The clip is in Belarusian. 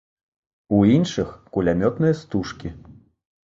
У іншых кулямётныя стужкі.